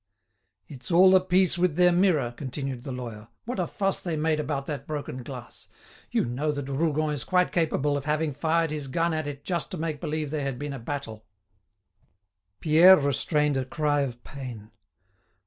"It's all a piece with their mirror," continued the lawyer. "What a fuss they made about that broken glass! You know that Rougon is quite capable of having fired his gun at it just to make believe there had been a battle." Pierre restrained a cry of pain.